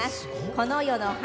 「この世の花」。